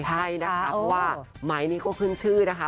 ใช่นะคะเพราะว่าไม้นี้ก็ขึ้นชื่อนะคะ